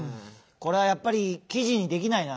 これはやっぱりきじにできないな。